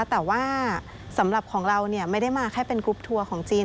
แต่ว่าสำหรับของเราไม่ได้มาแค่เป็นกรุ๊ปทัวร์ของจีน